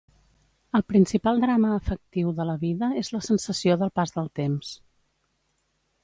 El principal drama afectiu de la vida és la sensació del pas del temps.